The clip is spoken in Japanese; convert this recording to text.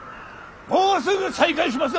もうすぐ再開します